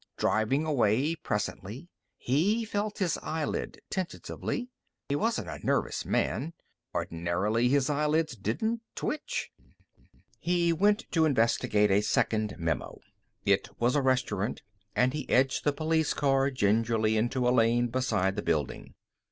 Driving away, presently, he felt his eyelid tentatively. He wasn't a nervous man. Ordinarily his eyelids didn't twitch. He went to investigate a second memo. It was a restaurant, and he edged the police car gingerly into a lane beside the building.